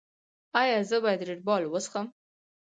ایا زه باید ردبول وڅښم؟